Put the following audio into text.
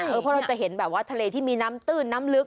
เพราะเราจะเห็นแบบว่าทะเลที่มีน้ำตื้นน้ำลึก